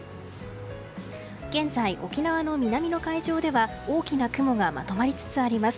現在、沖縄の南の海上では大きな雲がまとまりつつあります。